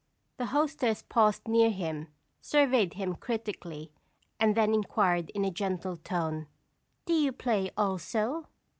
The hostess paused near him, surveyed him critically, and then inquired, in a gentle tone: "Do you play also?"